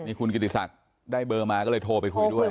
คุณกิติศักดิ์ได้เบอร์มาก็เลยโทรไปคุยด้วย